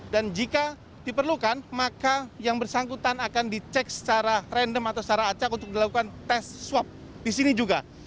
dan jika diperlukan maka yang bersangkutan akan dicek secara random atau secara acak untuk dilakukan tes swab di sini juga